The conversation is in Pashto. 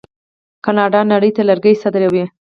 کاناډا نړۍ ته لرګي صادروي.